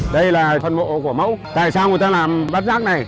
đây là phần mộ của mẫu tại sao người ta làm bát giác này